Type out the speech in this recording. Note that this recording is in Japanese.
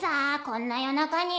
こんな夜中に。